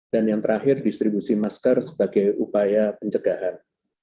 dan yang terakhir distribusi masker sebagai upaya pencegahan